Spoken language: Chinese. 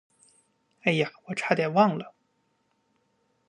哎呀，我差点忘了。